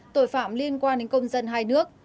tội phạm liên quan đến công dân hai nước